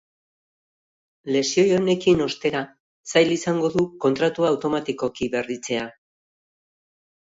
Lesio honekin, ostera, zail izango du kontratua automatikoki berritzea.